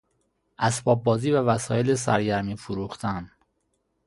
اسباب بازی و وسایل سرگرمی فروختن